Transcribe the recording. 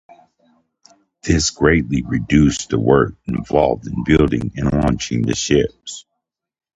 This greatly reduced the work involved in building and launching the ships.